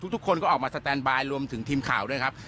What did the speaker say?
ทุกคนก็ออกมาสแตนบายรวมถึงทีมข่าวด้วยครับ